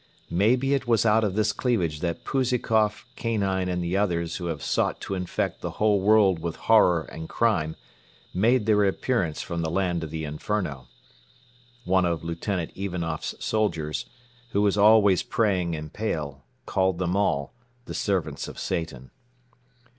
Maybe it was out of this cleavage that Pouzikoff, Kanine and the others who have sought to infect the whole world with horror and crime made their appearance from the land of the inferno. One of Lieutenant Ivanoff's soldiers, who was always praying and pale, called them all "the servants of Satan."